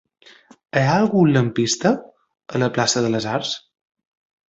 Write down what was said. Hi ha algun lampista a la plaça de les Arts?